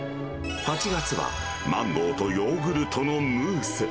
８月はマンゴーとヨーグルトのムース。